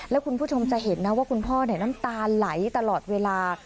แล้วคุณผู้ชมจะเห็นนะว่าคุณพ่อน้ำตาไหลตลอดเวลา